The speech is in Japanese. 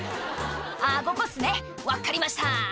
「あぁここっすね分かりました」